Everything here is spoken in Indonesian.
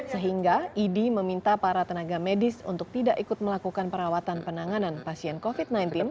sehingga idi meminta para tenaga medis untuk tidak ikut melakukan perawatan penanganan pasien covid sembilan belas